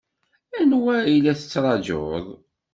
Anwa i la tettṛaǧuḍ?